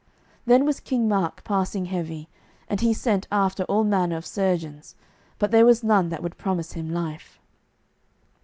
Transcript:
Then was King Mark passing heavy, and he sent after all manner of surgeons, but there was none that would promise him life.